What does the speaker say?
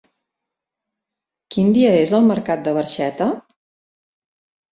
Quin dia és el mercat de Barxeta?